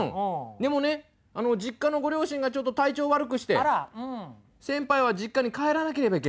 でもね実家のご両親がちょっと体調を悪くして先輩は実家に帰らなければいけない。